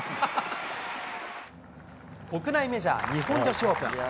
国内メジャー日本女子オープン。